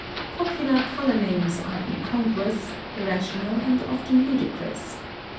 (131) Popular color names are incongruous, irrational, and often ludicrous.